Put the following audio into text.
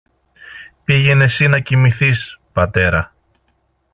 Πήγαινε συ να κοιμηθείς, πατέρα